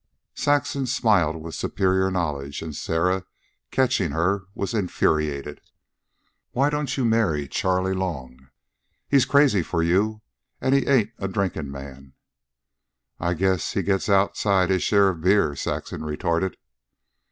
Saxon smiled with superior knowledge, and Sarah, catching her, was infuriated. "Why don't you marry Charley Long? He's crazy for you, and he ain't a drinkin' man." "I guess he gets outside his share of beer," Saxon retorted.